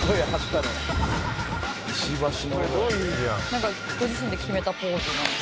「なんかご自身で決めたポーズなんですよね」